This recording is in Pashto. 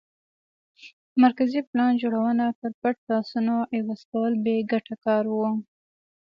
مرکزي پلان جوړونه پر پټ لاسونو عوض کول بې ګټه کار و